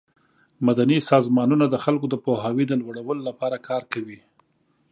مدني سازمانونه د خلکو د پوهاوي د لوړولو لپاره کار کوي.